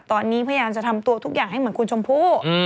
ตอนนี้พยายามจะทำตัวทุกอย่างให้เหมือนคุณชมพู่